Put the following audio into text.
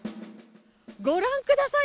ご覧ください。